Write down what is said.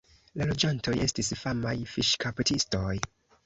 La loĝantoj estis famaj fiŝkaptistoj.